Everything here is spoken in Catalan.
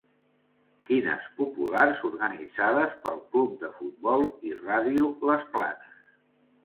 Quines populars organitzades pel Club de Futbol i Ràdio Les Planes.